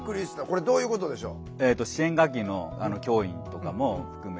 これどういうことでしょう？